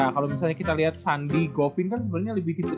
kalau misalnya kita lihat sandi govin kan sebenarnya lebih ke tipe yang